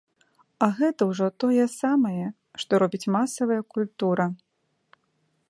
А гэта ўжо тое самае, што робіць масавая культура.